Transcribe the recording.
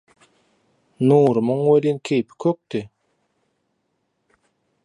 Nurumyň welin keýpi kökdi: